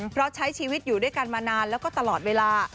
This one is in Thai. เพราะใช้ชีวิตอยู่ด้วยกันมานานแล้วก็ตลอดเวลา